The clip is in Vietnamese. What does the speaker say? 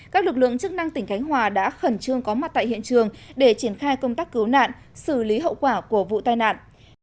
các lực lượng chức năng tỉnh khánh hòa đã khẩn trương có mặt tại hiện trường để triển khai công tác cứu nạn xử lý hậu quả của vụ tai nạn